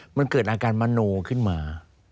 มันเกิดอาการมโนขึ้นมา